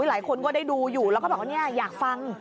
หลายคนก็ได้ดูอยู่แล้วก็บอกว่าอยากฟัง